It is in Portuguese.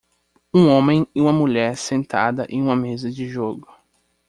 Um homem e uma mulher sentada em uma mesa de jogo.